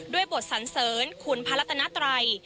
ด้วยบทสันเสริญขุนพระรัตนาตรัย